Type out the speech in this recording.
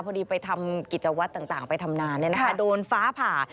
พอดีไปทำกิจวัตรต่างไปทำนานโดนฟ้าผ่า